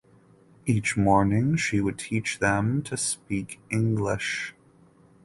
Each morning she would teach them to speak English.